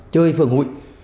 chơi phường hội